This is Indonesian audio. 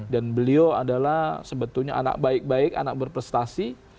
dan beliau adalah sebetulnya anak baik baik anak berprestasi